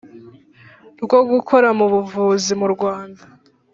rwo gukora mu buvuzi mu Rwanda